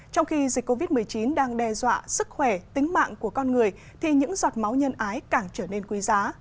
trong khi dịch covid một mươi chín đang đe dọa sức khỏe tính mạng của con người thì những giọt máu nhân ái càng trở nên quý giá